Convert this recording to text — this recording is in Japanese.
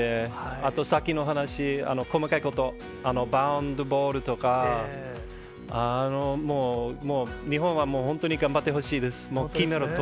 あと、さっきの話、細かいこと、バウンドボールとか、もう日本はもう、本当に頑張ってほしいです。